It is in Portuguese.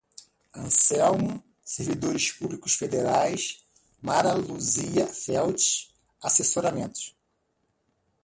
Anselmo, servidores públicos federais, Mara Luzia Feltes, assessoramentos